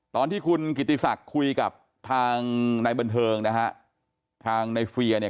ตอนที่คุณกิตตีศักดิ์คุยกับทางนายบนเทิงทางนายเรียนเชิญ